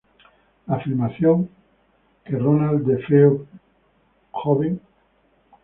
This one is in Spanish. La afirmación que Ronald DeFeo, Jr.